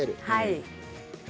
はい。